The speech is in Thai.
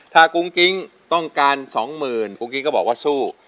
ถ้ากุ้งกิ๊งต้องการ๒๐๐๐กุ้งกิ๊งก็บอกว่าสู้